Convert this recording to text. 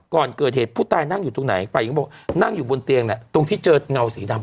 ก่อนเกิดเหตุผู้ตายนั่งอยู่ตรงไหนฝ่ายหญิงก็บอกนั่งอยู่บนเตียงแหละตรงที่เจอเงาสีดำ